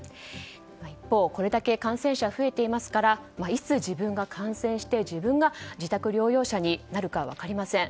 一方、これだけ感染者が増えているのでいつ自分が感染して自分が自宅療養者になるか分かりません。